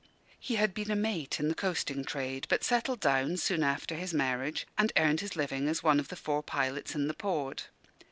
He had been a mate in the coasting trade, but settled down, soon after his marriage, and earned his living as one of the four pilots in the port.